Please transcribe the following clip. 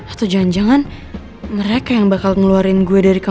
atau jangan jangan mereka yang bakal ngeluarin gue dari kamu